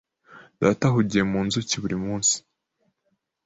Data ahugiye mu nzuki buri munsi.